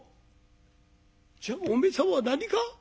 「じゃあお前様は何か？